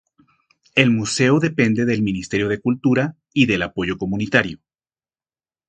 El museo depende del Ministerio de Cultura y del apoyo comunitario.